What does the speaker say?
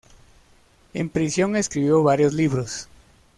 En prisión escribió varios libros.